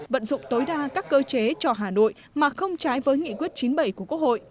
vận dụng tối đa các cơ chế cho hà nội mà không trái với nghị quyết chín mươi bảy của quốc hội